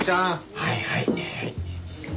はいはい。